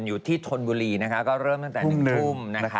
อยู่ที่ธนบุรีเริ่มตั้งแต่๑ทุ่ม